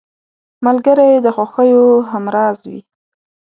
ملګری د خوښیو همراز وي